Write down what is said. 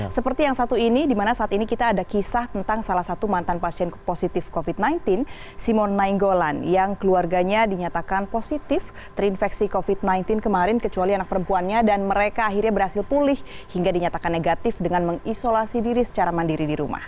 seperti yang satu ini dimana saat ini kita ada kisah tentang salah satu mantan pasien positif covid sembilan belas simon nainggolan yang keluarganya dinyatakan positif terinfeksi covid sembilan belas kemarin kecuali anak perempuannya dan mereka akhirnya berhasil pulih hingga dinyatakan negatif dengan mengisolasi diri secara mandiri di rumah